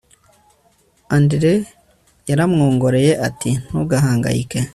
andre yaramwongoreye ati ntuhangayike